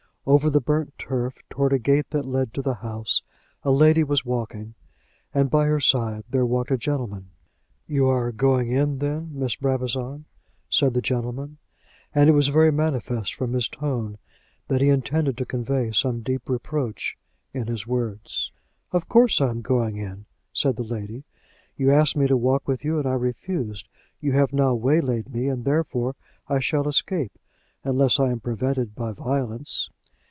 Over the burnt turf towards a gate that led to the house, a lady was walking, and by her side there walked a gentleman. "You are going in, then, Miss Brabazon," said the gentleman, and it was very manifest from his tone that he intended to convey some deep reproach in his words. "Of course I am going in," said the lady. "You asked me to walk with you, and I refused. You have now waylaid me, and therefore I shall escape, unless I am prevented by violence."